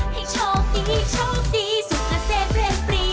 ให้ชอบดีสุดล่ะเซฟเพรงปี